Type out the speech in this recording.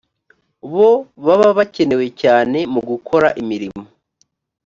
bo baba bakenewe cyane mu gukora imirimo